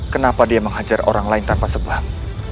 kenapa dia menghajar orang lain tanpa sebab